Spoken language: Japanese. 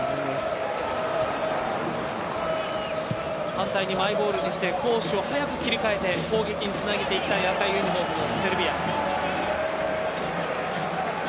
反対にマイボールにして攻守を早く切り替えて攻撃していきたい赤いユニホームのセルビア。